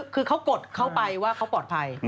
คือเขากดเข้าไปว่าเขาปลอดภัย